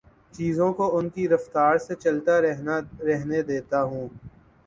چیزوں کو ان کی رفتار سے چلتا رہنے دیتا ہوں